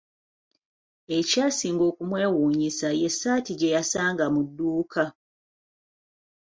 Ekyasinga okumwewuunyisa y'essaati gye yasanga mu dduuka.